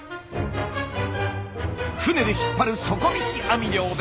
船で引っ張る底引き網漁です。